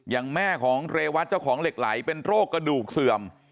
อย่างแม่ของเรวัตเจ้าของเหล็กไหลเป็นโรคกระดูกเสื่อม